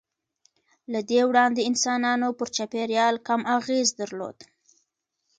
له دې وړاندې انسانانو پر چاپېریال کم اغېز درلود.